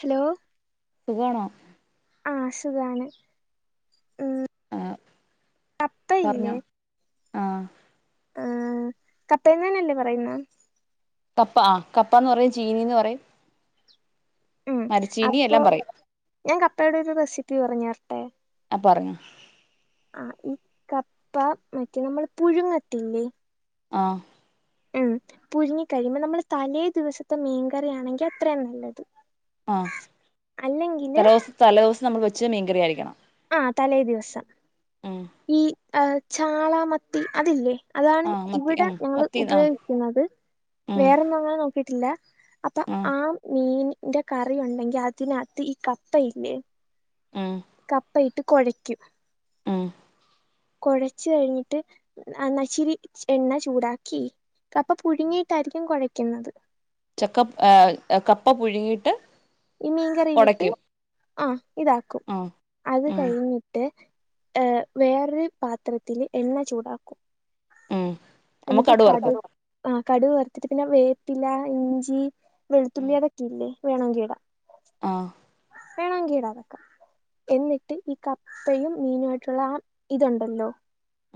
Hello സുഖവാണോ ആ സുഖവാണ് മം ആ അപ്പം ഇല്ലേ പറഞ്ഞോ ആ ആ കപ്പേ തനല്ലേ പറയുന്നേ കപ്പ ആഹ് കപ്പാന്ന് പറയും ചീനീന്ന് പറയും ഉം മരച്ചീനി അപ്പൊ എല്ലാം പറയും ഞാൻ കപ്പയുടെ ഒരു റെസിപ്പി പറഞ്ഞു തരട്ടെ. ആ പറഞ്ഞോ. ആഹ് ഈ കപ്പ മറ്റേ നമ്മള് പുഴുങ്ങത്തില്ലേ ആഹ് ഉം പുഴുങ്ങി കഴിയുമ്പോ നമ്മള് തലേ ദിവസത്തെ മീൻകറിയാണെങ്കി അത്രയും നല്ലത്. ആഹ് അല്ലെങ്കില് തലൊ സ്‌ തലൊ ദിവസം നമ്മള് വെച്ച മീൻകറി ആയിരിക്കണം. ആഹ് തലേദിവസം ഉം ഈ ആഹ് ചാള മത്തി അതില്ലേ അതാണ് ആ മത്തി ഇവിടെ ഉം ഞങ്ങള് മത്തി ആ ഉപയോഗിക്കുന്നത്. ഉം വേറൊന്നും അങ്ങനെ നോക്കിട്ടില്ല അപ്പൊ ഉം ആ മീനി ഇന്റെ കറി ഉണ്ടെങ്കി അതിനകത്ത് ഈ കപ്പയില്ലേ ഉം കപ്പയിട്ട് കൊഴയ്ക്കും ഉം കൊഴച്ച്കഴിഞ്ഞിട്ട് അണ്ണാ ചിരി എണ്ണ ചൂടാക്കി കപ്പ പുഴുങ്ങീട്ടായിരിക്കും കൊഴയ്ക്കുന്നത് ചക്ക ആഹ് കപ്പ പുഴുങ്ങിട്ട് ഈ മീൻകറിയിലിട്ട് ആ ഇതാക്കും ആ അത് ഉം കഴിഞ്ഞിട്ട് ഏഹ് വേറൊരു പാത്രത്തില് എണ്ണ ചൂടാക്കും ഉം നമ്മ എന്നിട്ട് കടു വറക്കും കടുക് ആ കടുക് വറുത്തിട്ട് പിന്നെ വേപ്പില്ല ഇഞ്ചി ഉം വെളുത്തുള്ളി അതൊക്കെ ഇല്ലേ വേണോങ്കി ഇടാ ആ വേണോങ്കി ഇടാം അതൊക്കെ എന്നിട്ട് ഈ കപ്പയും മീനുമായിട്ട്ള്ള ആ ഇതുണ്ടല്ലോ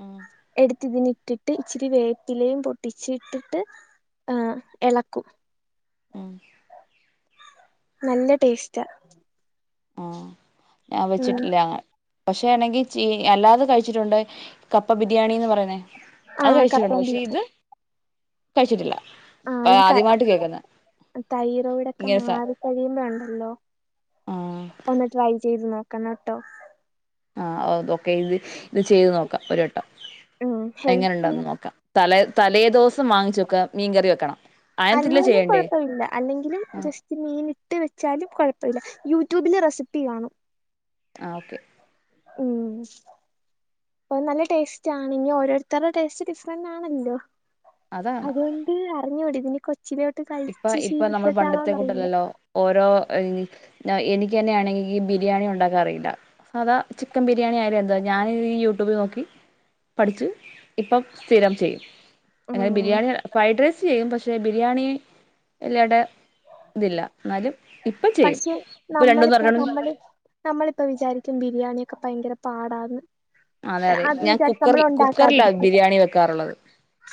ഉം എടുത്ത് പിന്നെ ഇട്ടിട്ട് ഇച്ചിരി വേപ്പിലയും പൊട്ടിച്ചിട്ട് ഇട്ടിട്ട് എഹ് എളക്കും ഉം നല്ല ടേസ്റ്റാ ആഹ് ഞാൻ ഉം വെച്ചിട്ടില്ലാ അങ്ങ പക്ഷെ അണെങ്കി ചീ അല്ലാതെ കഴിച്ചിട്ടുണ്ട് കപ്പ ബിരിയാണിന്ന് പറയുന്നേ ആ അത് കഴിച്ചിട്ടുണ്ട് കപ്പയും പക്ഷെ ബീഫും ഇത് കഴിച്ചിട്ടില്ല [unintelligible] ആദ്യമായിട്ട് കഴിക്കുന്നെ തൈറോയിഡൊക്കെ മാറിക്കഴിയുമ്പോ ഉണ്ടല്ലോ ആ ഒന്ന് ട്രൈ ചെയ്ത് നോക്കണെട്ടോ ആ [unintelligible] തൊക്കെ ഇത് ഇത് ചെയ്ത് നോക്കാം ഒരു വട്ടം ഉം എങ്ങനെ ഹെൽത്തി ഉണ്ടെന്ന് നോക്കാ തലേ തലേദ്വസം വാങ്ങിച്ച് വെക്ക മീൻകറി വെക്കണം അയനത്തില്ല അല്ലേലും ചെയ്യണ്ടേ കുഴപ്പവില്ല അല്ലെങ്കിലും ആ ജസ്റ്റ് മീന് ഇട്ട് വെച്ചാലും കുഴപ്പവില്ല യൂട്യൂബില് റെസിപ്പി കാണും ആഹ് ഓക്കെ ഉം നല്ല ടെസ്റ്റാണ് ഇനി ഓരോര്ത്തര്ടെ ടേസ്റ്റ് ഡിഫ്‌റന്റാണല്ലൊ അതാ അതോണ്ട് അർഞ്ഞൂടെന് ഇപ്പ ഇപ്പ നമ്മള് പണ്ടത്തെ കൂട്ടല്ലല്ലൊ ഓരോ എനിക്കെന്നെണെങ്കി ഈ ബിരിയാണി ഉണ്ടാക്കാ അറിയില്ല സാധാ ചിക്കൻ ബിരിയാണി ആയാലും എന്താ ഞാന് ഈ യു യുറ്റൂബ് നോക്കി പഠിച്ച് ഇപ്പം സ്ഥിരം ചെയ്യും ഹേ ഉം ബിരിയാണി ഫ്രൈഡ് റൈസ് ചെയ്യും പക്ഷെ ബിരിയാണി എല്ലെടെ ഇതില്ല ന്നാലും പക്ഷേ നമ്മളിപ്പം നമ്മള് നമ്മളിപ്പ വിചാരിക്കും ബിരിയാണി ഭയങ്കര പാടാന്ന് അതെ അതെ അത് ഞാൻ വിചാരിച്ച് നമ്മൾ കുക്കർൽ കുക്കർലാ ബിരിയാണി വെക്കാറുള്ളത്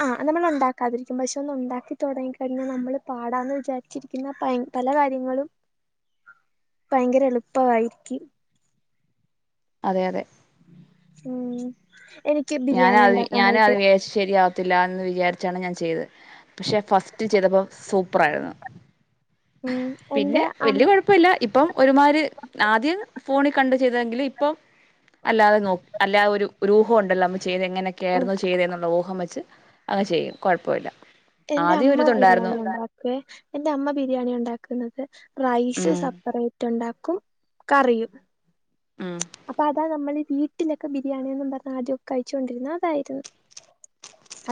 ആഹ് നമ്മളുണ്ടാക്കാതിരിക്കും പക്ഷേ തോന്ന് ഉണ്ടാക്കി തൊടങ്ങിക്കഴിഞാ നമ്മള് പാടാന്ന് വിചാരിച്ചിരിക്ക്ന്ന പ പല കാര്യങ്ങളും ഭയങ്കര എളുപ്പവായിരിക്കും അതെ അതെ ഉം എനിക്ക് ബിരിയാണി ഞാനാവി ഞാനാ [unintelligible] ഉണ്ടാക്കാനായിട്ട് ത്തില്ലാന്ന് വിചാരിച്ചാണ് ഞാൻ ചെയ്തത്. പക്ഷെ ഫസ്റ്റ് ചെയ്തപ്പൊ സൂപ്പറായിരുന്നു ഉം പിന്നെ എന്റെ അം വല്യ കൊഴപ്പല്ല ഇപ്പം ഒരുമാരി ആദ്യം ഫോണ് കണ്ട് ചെയ്തെങ്കില് ഇപ്പം അല്ലാതെ നോ അല്ലാതെ ഒരു ഒരു ഊഹണ്ടല്ലൊ ചെയ്ത് ഇങ്ങനെക്കായിരുന്നു ചെയ്തെന്ന്ള്ള ഊഹം വെച്ച് അങ്ങ് ചെയ്യും കൊഴപ്പല്ല എന്റെ അമ്മ ബിരിയാണി ഉണ്ടാക്കെ എന്റെ അമ്മ ബിരിയാണി ഉണ്ടാക്ക്ന്നത് റൈസ് ഉം സപ്പ്റേറ്റുണ്ടാക്കും കറിയും ഉം അപ്പൊ അതാ നമ്മളീ വീട്ട്ലൊക്കെ ബിരിയാണിയൊന്നും ഉണ്ടാക്ക ആദ്യൊക്കെ കഴിച്ചോണ്ട്ര്ന്നെ അതായിരുന്നു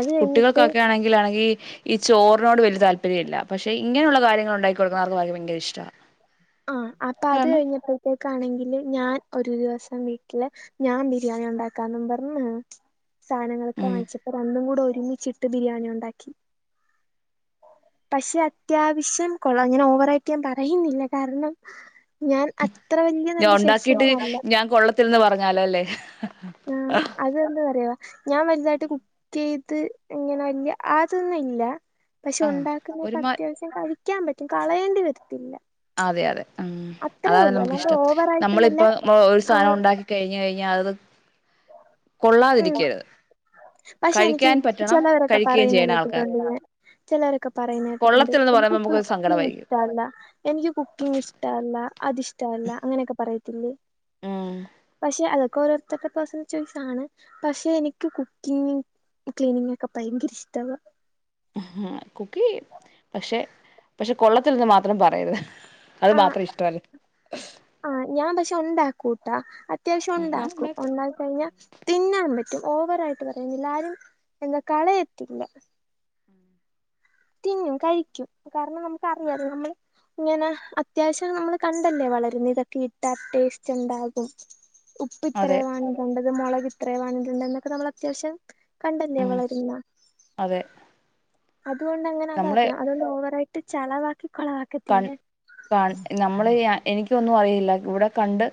അത് കഴിഞ്ഞിട്ട് കുട്ടികൾക്കൊക്കെ ആണെങ്കിലാണെങ്കി ഈ ചോറിനോട് വല്യ താല്പര്യല്ല പക്ഷെ ഇങ്ങനുള്ള കാര്യങ്ങള് ഉണ്ടാക്കി കൊടുക്കുന്നത് അവർക്ക് ഭയ ഭയങ്കര ഇഷ്ടാ അത് അപ്പൊ അത് കാരണം ഴിഞ്ഞപ്പൊഴത്തെക്കാണെങ്കില് ഞാൻ ഒ ഒരു ദിവസം വീട്ട്ല് ഞാൻ ബിരിയാണി ഉണ്ടാക്കാന്നും പറണ് സാനങ്ങളൊക്കെ ഉം വാങ്ങിച്ചപ്പൊ രണ്ടും കൂടെ ഒരുമിച്ചിട്ട് ബിരിയാണി ഉണ്ടാക്കി പഷെ അത്യാവശ്യം കൊള്ള ഇങ്ങനെ ഓവറായിട്ട് ഞാ പറയുന്നില്ല കാരണം ഞാൻ അത്ര വല്യ ഞാൻ നല്ല ഉണ്ടാക്കിയിട്ട് ഷെഫൊന്നല്ല ഞാൻ കൊള്ളത്തില്ലെന്ന് പറഞ്ഞാലോ അല്ലേ ആഹ് അതെന്ത് വരയുവ ഞാൻ വല്തായിട്ട് കുക്കീത് ഇങ്ങനെ വല്യ ആതൊന്നും ഇല്ല പഷെ ആ ഉണ്ടാക്കുന്നതൊക്കെ ഒരുമാ അത്യാവശ്യം കഴിക്കാൻ പറ്റും കളയേണ്ടി വരത്തില്ല അതെ അതെ ഉം അത്രേ അതാന് ഉള്ളൂ അല്ലാണ്ട് നമുക്കിഷ്ടം ഓവറായിട്ട് നല്ല നമ്മളിപ്പ നമ്മള് ഒരു സാധനം ആഹ് ഒണ്ടാക്കി കഴിഞ്ഞ്ഴിഞ ഞാത് കൊള്ളാതിരിക്കരുത് പഷെ എനിക്ക് കഴിക്കാൻ പറ്റണം ചിലവരൊക്കെ കഴിക്കുകയും പറയുന്ന ചെയ്യണം ആൾക്കാർ കേട്ടിട്ടുണ്ട്ഞാൻ ചിലവരൊക്കെ പറയുന്ന കേട്ടിട്ടുണ്ട് കൊള്ളത്തില്ലെന്ന് എനിക്ക് പറയുമ്പോ ഇപ്പം നമുക്കൊരു കുക്കിംഗ് സങ്കടമായിരിക്കും ഇഷ്ടവല്ല എനിക്ക് കുക്കിംങ് ഇഷ്ടല്ല അത്ഷ്ടവല്ല അങ്ങനെയൊക്കെ പറയത്തില്ലെ പഷെ അതൊക്കെ ഓരോര്ത്തര്ടെ പേഴ്സണൽ ചോയ്സ് ആണ് പഷെ എനിക്ക് കു ങ് ക്ലീനിങ് ഒക്കെ ഭയങ്കരിഷ്ടവ കുക്കീ പഷെ പഷെ കൊള്ളത്തില്ലെന്ന് മാത്രം പറയരുത് അത് ആ മാത്രം ഇഷ്ടവല്ല കൂട്ടാ അത്യാവശ്യം ഒണ്ടാക്കും ഉണ്ടാക്കും ഒണ്ടാക്കി കഴിഞ്ഞാൽ തിന്നാൻ പ [unintelligible] ഓവർ ആയിട്ട് പറയ്ന്നില്ല ആരും എന്ത കളയത്തില്ല തിന്നും കഴിക്കും കാരണം നമുക്ക്റിയത് നമ്മള് ഇങ്ങനെ അത്യാവശ്യം നമ്മള് കണ്ടല്ലെ വളര്ന്ന് ഇതൊക്കെ ഇട്ടാ ടേസ്റ്റ് ഇണ്ടാകും ഉപ്പ് ഇത്രേ അതെ വാങ്ങിക്കെണ്ടത് മൊളക് ഇത്രേ വാങ്ങിക്കെണ്ടത് എന്നൊക്കെ നമ്മള് അത്യാവശ്യം കണ്ടല്ലെ ഉം വളരുന്ന അതെ അതുകൊണ്ടങ്ങനെ നമ്മള് അതറിയാ അതോണ്ട് ഓവറായിട്ട് ഇട്ട് ചളവാക്ക് കൺ കാൺ നമ്മള് ഈ എനിക്ക് ഒന്നും അറിയില്ല ഇവടെ കണ്ട്,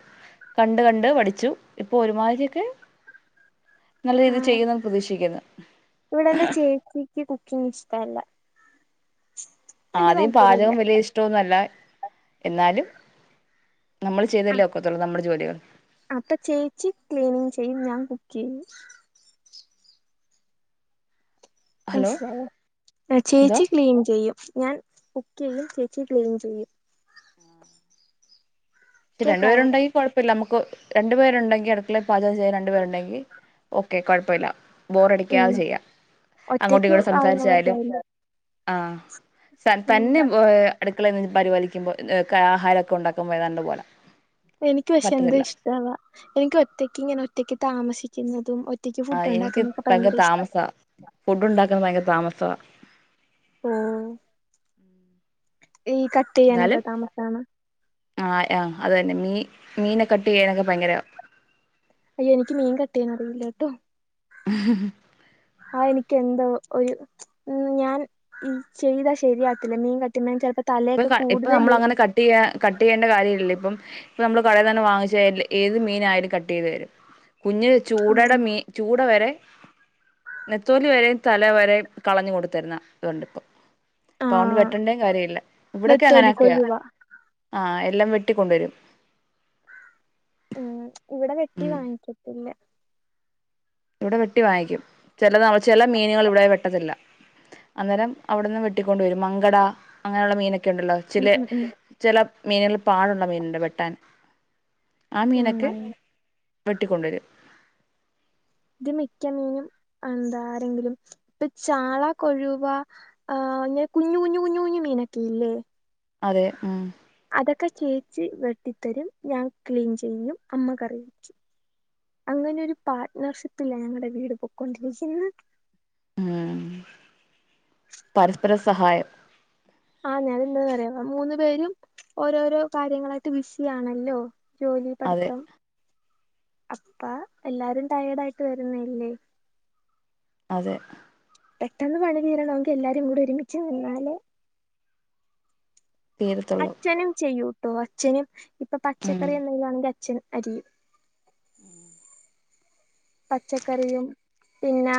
കണ്ട് കണ്ട് പഠിച്ചു ഇപ്പൊ ഒരു മാതിരി ഇക്ക് [unintelligible] നല്ല രീതില് ചെയ്യുന്നെന്ന് പ്രതീക്ഷിക്ക്ന്നു. ഇവടെ എന്റെ ചേച്ചിക്ക് കുക്കിങ് ഇഷ്ടെല്ല. ആദ്യം പാചകം വലിയ ഇഷ്ടോന്നല്ല എന്നാലും നമ്മൾ ചെയ്തല്ലേ ഒക്കത്തുള്ളൂ നമ്മുടെ ജോലികൾ അപ്പൊ ചേച്ചി ക്ലീനിങ് ചെയും, ഞാൻ കു ക്കേ ഹലോ മനസ് ലായോ, എന്തോ ചേച്ചി ക്ലീൻ ചെയ്യും ഞാൻ കുക്കെയ്യും, ചേച്ചി ക്ലീൻചെയ്യും. രണ്ട് പേര് ഉണ്ടെങ്കി കൊഴപ്പല്ല നമുക്ക്. രണ്ടു പേരുണ്ടെങ്കി അടുക്കളെ പാചകം ചെയ്യാൻ രണ്ടുപേരുണ്ടെങ്കി ഓക്കെ കൊഴപ്പല്ല. ബോറടിക്കാതെ ഉം ചെയ്യാം, അങ്ങോട്ടും ഒറ്റയ്ക്ക് ഇങ്ങോട്ടും, സംസാരിച്ചായാലും ആവുന്നവർക്കായാലും ആ സ ഉം തന്നെ അടുക്കളെ നിന്ന് പരിപാലിക്കുമ്പോൾ ആഹാരൊക്കെ ഉണ്ടാക്കുമ്പോഏതാണ്ട് പോലാ. എനിക്ക് പക്ഷെ എന്ത ഇഷ്ടവാ, എനിക്ക് ഒറ്റക്ക് ഇങ്ങനെ ഒറ്റക്ക്, താമസിക്കുന്നതും ഒ ആ എനിക്ക് ഭയങ്കര താമസാ, ഫുഡ് ഉണ്ടാക്കൻ ഭയങ്കര താമസാ ആ ഈ കട്ട് ചെയ്യാനൊക്കെ എന്നാലും താമസമാണോ ആ ആ അത് തന്നെ മീ മീന കട്ട് ചെയ്യാനൊക്കെ ഭയങ്കര വെടിനറി ഇല്ലാട്ടോ യ ആ എനിക്ക് എന്തോ ഒരു ഉ ഞാൻ ഈ ചെയ്ത ശരിയാടവത്തില്ല മീൻ കട്ടിൻ ലപ്പോ ഇപ്പൊ ഇപ്പ നമ്മൾ അങ്ങനെ കട്ട് ചെയ്യ കട്ട് ചെയ്യേണ്ട കാര്യ ഇല്ല ഇപ്പം ഇപ്പ നമ്മള് കടയിൽ തന്നെ വാങ്ങിച്ചല് ഏത് മീനായയാലും കട്ട് ചെയ്ത് വരും കുഞ്ഞ് ചൂടെടെ ഉം മീ ചൂട വരെ നെത്തോലി വരെ തല വര കളഞ്ഞു കൊണ്ടുത്തരുന്ന ഇതൊണ്ടിപ്പൊ അത് കൊണ്ട് വെട്ടണ്ടയും കാര്യ ഇല്ല നത്തോലി കൊഴുവ ആ എല്ലാം വെട്ടിക്കൊണ്ടുവരും ഉം, ഇവിടെ വെട്ടി ഉം വാങ്ങിക്കത്തില്ല ഇവിടെ വെട്ടി വാങ്ങിക്കും, ചില ന ചില മീനുകൾ ഇവിടെ വെട്ടത്തില്ല. അന്നേരം അവിടുന്ന് വെട്ടിക്കൊണ്ട് വരും, മങ്കട അങ്ങനെയുള്ള മീനൊക്കെ. ഉണ്ടല്ലോ ചില, ഉം ഉം ഉം ചില മീനുകൾ പാടുള്ള മീനമുണ്ട് വെട്ടാൻ. ആ മീന കെ ഉം വെട്ടിക്കൊണ്ടു വരും ഇത് മിക്ക മീനും എന്താ ആരെങ്കിലും ഇപ്പൊ ചാള കൊഴുവ ആ അങ്ങനെ കുഞ്ഞു കുഞ്ഞു കുഞ്ഞു കുഞ്ഞു മീനക്കയില്ലേ. അതെ, ഉം അതൊക്കെ ചേച്ചി വെട്ടിത്തരും, ഞാൻ ക്ലീൻ ചെയ്യും അമ്മ കറി വെയ്ച്ചും. അങ്ങനെ ഒരു പാട്ണർഷിപ്പില ഞങ്ങടെ വീട് പൊക്കൊണ്ടിരിക്കുന്നെ. ഉം, പരസ്പര സഹായം ആ ഞൻ എന്താ പറയാ മൂന്നു പേരും ഓരോരോ കാര്യങ്ങളായിട്ട് ബിസി ആണല്ലോ. ജോലി അതെ പഠിത്തം അപ്പ എല്ലാരും ടയേർഡ് ആയിട്ട് വരുന്ന അല്ലേ അതെ പെട്ടെന്ന് പണി തീരണം എങ്കി എല്ലാരും കൂടെ ഒരുമിച്ച് നിന്നാലെ തീരത്തുള്ളൂ അച്ഛനും ചെയ്യൂട്ടോ, അച്ഛനും ഇപ്പൊ ഉം പച്ചക്കറി എന്തെങ്കിലും ആണെ അച്ഛൻ അരിയും ഉം പച്ചക്കറിയും പിന്നെ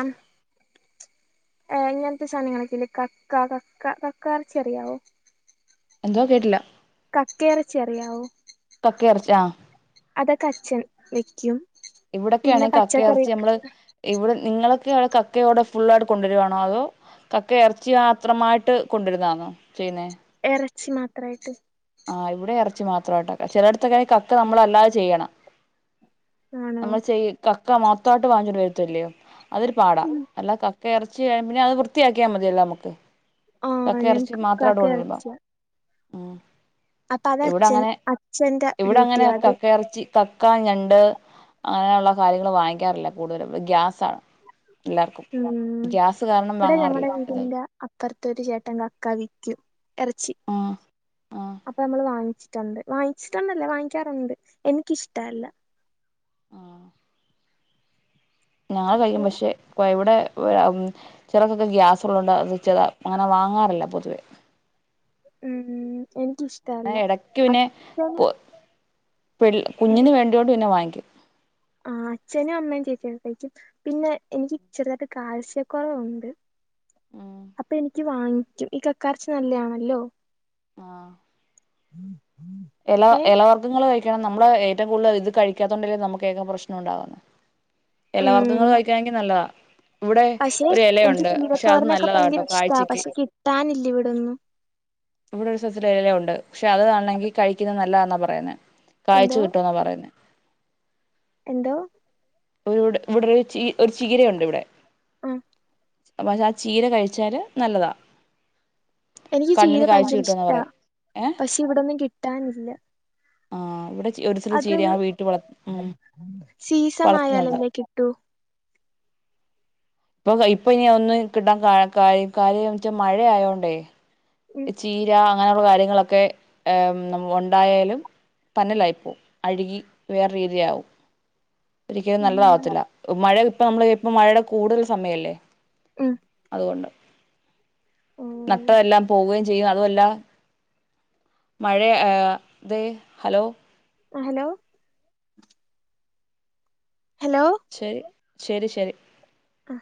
ഏ ഇങ്ങനത്തെ സാധനങ്ങളൊക്കെയില്ലേ കക്ക കക്ക കക്കയിറച്ചി അറിയാവോ എന്തുവാ കേട്ടില്ല കക്കയിറച്ചി അറിയാവോ കക്കയിറച്ചി ആ അതൊക്കെ അച്ഛൻ വെയ്ക്കും ഇവിടെക്കെയാണെങ്കിൽ കക്കയിറച്ചി നമ്മള് ഇവിടെ നിങ്ങളൊക്ക കക്കയോടെ ഫുൾ ആയിട്ട് കൊണ്ടുവരികവാണ അതോ കക്ക ഇറച്ചി മാത്രമായിട്ട് കൊണ്ടിരുന്നാണോ ചെയ്യുന്നേ ഇറച്ചി മാത്രമായിട്ട് ആ ഇവിടെ ഇറച്ചി മാത്രമായിട്ടക്ക ചിലടുത്തൊക്കെ കക്ക നമ്മൾ അല്ലാതെ ചെയ്യണം ആണോ നമ്മൾ ചെയ കക്ക മൊത്തമായിട്ട് വാങ്ങിച്ചുകൊണ്ട വരുത്തല്ലോ അതൊരു പാടാ അല്ലാ ക കക്കയിറച്ചി കഴിഞ്ഞാ അത് വൃത്തിയാക്കിയാൽ മതിയല്ലേ നമുക്ക് ആഹ് കക്ക ഇറച്ചി ഞങ്ങക്ക് മാത്രമാണ്ട കക്ക കൊണ്ടിരുമ്പോ ഇറച്ചിയാ ഉ അപ്പൊ അത് ഇവിടെ അച്ഛൻ അങ്ങനെ അച്ഛന്റെ ഇവിടെ അങ്ങനെ ഡ്യൂട്ടിയാ അത് കക്ക ഇറച്ചി കക്ക ഞണ്ട് അങ്ങനെയുള്ള കാര്യങ്ങൾ വാങ്ങിക്കാറില്ല കൂടുതല് ഗ്യാസാണ് എല്ലാർക്കും ഉം ഗ്യാസ് കാരണം വാങ്ങാറില്ല ഇത് പ്പറത്തരു ചേട്ടൻ കക്ക വിൽക്കും ഇറച്ചി ആഹ് ആഹ് അപ്പൊ നമ്മൾ വാങ്ങിച്ചു ണ്ട് വാങ്ങിച്ചിട്ടുണ്ടല്ലേ വാങ്ങിക്കാറുണ്ട് എനിക്കിഷ്ടല്ല ആ ഞങ്ങള് കഴിക്കും പക്ഷെ ഇവിടെ ചിലർക്കൊക്കെ ഗ്യാസ് ഉള്ളണ്ട് അത് ചെത അങ്ങനെ വാങ്ങാറില്ല പൊതുവേ ഉം അങ്ങനെ എനിക്കിഷ്ടല്ല ഇടയ്ക്ക് പിന്നെ അച്ഛൻ കൊ പിള്ള കുഞ്ഞിന് വേണ്ടിയൊണ്ട് പിന്നെ വാങ്ങിക്കും ആഹ അച്ഛനും അമ്മയും ചേച്ചിയും കഴിക്കും പിന്നെ എനിക്ക് ചെറുതായിട്ട് കാഴ്ചക്കുറവുണ്ട് ഉം അപ്പൊ എനിക്ക് വാങ്ങിക്കും ഈ കക്കയിറച്ചി നല്ലയാണല്ലോ ആഹ് ഉം എല എലവർഗ്ഗങ്ങൾ കഴി ക്കണം നമ്മള് ഏറ്റവും കൂടുതൽ ഇത് കഴിക്കാത്തോണ്ടെങ്കും നമുക്ക് ഏറ്റവും പ്രശനം ഉണ്ടാവുന്നത് ഇ ല വർഗ്ഗങ്ങൾ ഉം കഴിക്കാണെങ്കിൽ നല്ലതാ ഇവിടെ പക്ഷെ ഒരു എനിക്ക് ഇലയുണ്ട് പക്ഷെ അത് ചീരത്തോരനൊക്കെ ഭയങ്കര നല്ലതാട്ടോ ഇഷ്ടാ കാഴ്ചക്ക് പക്ഷെ കിട്ടാനില്ല ഇവിടൊന്നും അവിടെ ഒരു സ്ഥ ഒരു ഇല ഉണ്ട് പക്ഷെ അതാണെങ്കി കഴിക്കുന്ന നല്ലതാന്നാ പറയേ കാഴ്ച എന്തോ കിട്ടുമെന്ന പറയുന്ന എന്തോ ഒരു ഇവിടെ ഒരു ച ഒരു ചീരയുണ്ട് ഇവിടെ ആഹ പക്ഷെ ആ ചീര കഴിച്ചാല് നല്ലതാ എനിക്ക് ചീര കണ്ണിന് കാഴ്ച ഭയങ്കര കിട്ടുമെന്നാ ഇഷ്ടാ പറയുന്നെ ഏഹ് പക്ഷെ ഇവിടൊന്നും കിട്ടാനില്ല ആഹ് ഇവിടെ ഒരു ചില ചീര അതൊരു ആ വീട്ടിൽ വളർ ഉ സീസൺ വളർത്തുന്നുണ്ട് ആയാലല്ലേ കിട്ടൂ ഇപ്പൊ ഇപ്പൊ ഇനി ഒന്ന് കിട്ടാൻ കാര് കാര്യ വെച്ചാൽ മഴയായോണ്ടേ ഉം ചീര അങ്ങനെയുള്ള കാര്യങ്ങളൊക്കെ എം ഉണ്ടായാലും പനലായിപ്പോ അഴുകി വേറെ രീതിയാവും ഒരിക്കലും ഉം നല്ലതാവത്തില്ല മഴ ഇപ്പൊ നമ്മള് ഇപ്പ മഴയുടെ കൂടുതൽ സമയല്ലേ ഉം അതുകൊണ്ട് ഉം. നട്ടതെല്ലാം പോവുകയും ചെയ്യും അതുമല്ല മഴയ ആഹ തെ ഹലോ ആ ഹലോ ഹലോ ശരി ശരി ശരി ആഹ്